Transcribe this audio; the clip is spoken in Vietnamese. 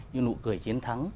như nụ cười chiến thắng